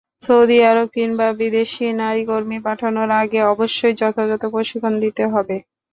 Saudi Arab কিংবা বিদেশে নারী কর্মী পাঠানোর আগে অবশ্যই যথাযথ প্রশিক্ষণ দিতে হবে।